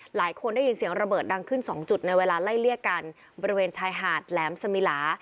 หลายคนได้ยินเสียงระเบิดดังขึ้นสองจุดในเวลาไล่เลี่ยกันบริเวณชายหาดแหลมสมิลา